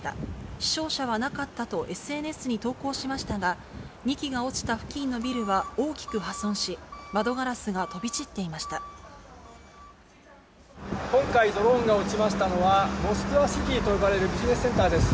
死傷者はなかったとＳＮＳに投稿しましたが、２機が落ちた付近のビルは大きく破損し、窓ガラスが飛び散ってい今回、ドローンが落ちましたのはモスクワシティと呼ばれるビジネスセンターです。